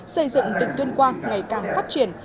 xây dựng tỉnh tuyên quang ngày càng phát triển